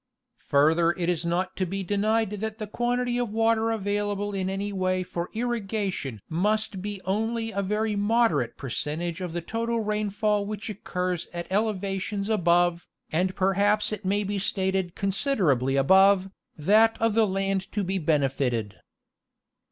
Further it is not to be denied that the quantity of water available in any way for irrigation must be only a very moderate percentage of the total rainfall which occurs at elevations above, and perhaps it may be stated considerably above, that of the land to be benefited.